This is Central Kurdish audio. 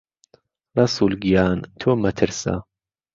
رهسوول گیان تۆ مهترسه